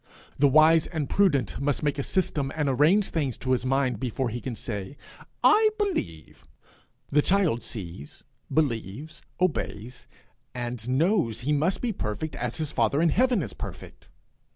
The wise and prudent must make a system and arrange things to his mind before he can say, I believe. The child sees, believes, obeys and knows he must be perfect as his father in heaven is perfect.